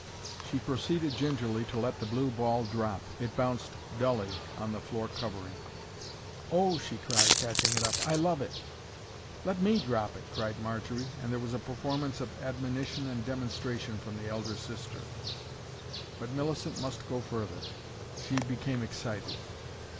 She proceeded gingerly to let the blue ball drop, it bounced dully on the floor covering. "Oh h h!" she cried, catching it up. "I love it." "Let ME drop it," cried Marjory, and there was a performance of admonition and demonstration from the elder sister. But Millicent must go further. She became excited.